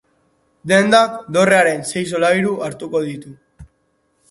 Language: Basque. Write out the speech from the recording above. Dendak dorrearen sei solairu hartuko ditu.